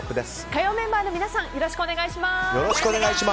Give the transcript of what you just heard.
火曜メンバーの皆さんよろしくお願いします。